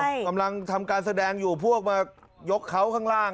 ใช่กำลังทำการแสดงอยู่พวกมายกเขาข้างล่าง